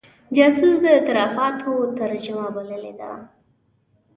جاسوس د اعترافاتو ترجمه بللې ده.